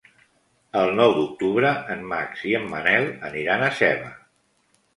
El nou d'octubre en Max i en Manel aniran a Seva.